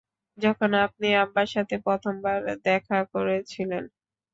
যখন আপনি আব্বার সাথে প্রথমবার দেখা করেছিলেন।